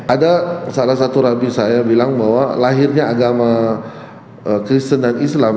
ada salah satu rabi saya bilang bahwa lahirnya agama kristen dan islam